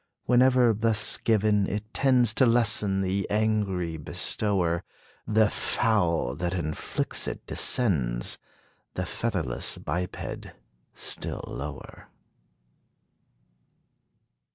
Whenever thus given, it tends To lessen the angry bestower; The fowl that inflicts it, descends The featherless biped, still lower.